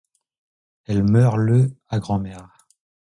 Elle meurt le à Grand-Mère.